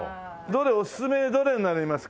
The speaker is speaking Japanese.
おすすめどれになりますか？